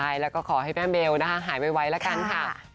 ใช่แล้วก็ขอให้แม่เบลนะคะหายไวละกันค่ะ